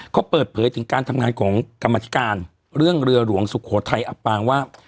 เขาเปิดเผยถึงการทำงานของกรรมธิการเรื่องเรือหลวงสุโขทัยอับปางว่า